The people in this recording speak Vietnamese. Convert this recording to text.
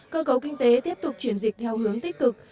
cơ cấu kinh tế tiếp tục chuyển dịch theo hướng tích cực